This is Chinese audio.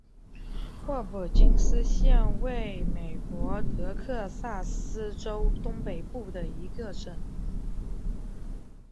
霍普金斯县位美国德克萨斯州东北部的一个县。